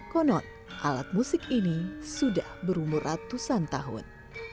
konon alat musik ini sudah berumur ratusan tahun